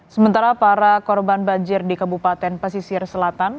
sementara para korban banjir di kabupaten pesisir selatan